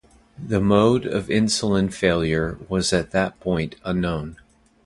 The mode of insulin failure was at that point unknown.